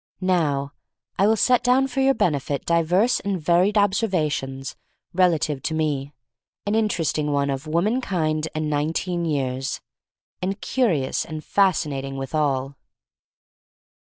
Now I will set down for your benefit divers and varied observations relative to me — an interesting one of woman kind and nineteen years, and curious and fascinating withal.